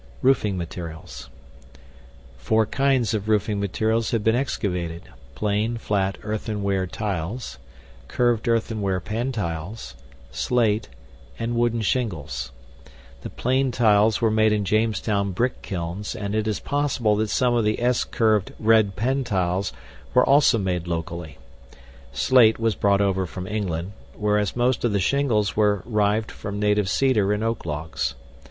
ROOFING MATERIALS Four kinds of roofing materials have been excavated: Plain, flat, earthenware tiles; curved earthenware pantiles; slate; and wooden shingles. The plain tiles were made in Jamestown brick kilns, and it is possible that some of the S curved red pantiles were also made locally. Slate was brought over from England, whereas most of the shingles were rived from native cedar and oak logs.